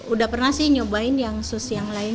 udah pernah sih nyobain yang sus yang lain